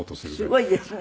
すごいですね。